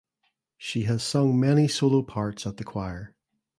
She has sung many solo parts at the choir.